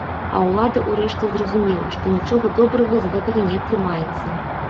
А ўлада ўрэшце зразумела, што нічога добрага з гэтага не атрымаецца.